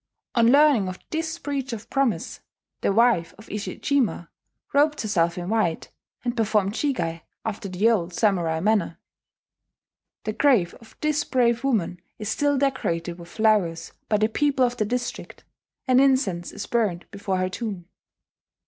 On learning of this breach of promise, the wife of Ishijima, robed herself in white, and performed jigai after the old samurai manner. The grave of this brave woman is still decorated with flowers by the people of the district; and incense is burned before her tomb.